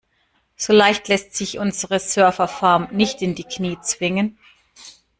So leicht lässt sich unsere Serverfarm nicht in die Knie zwingen.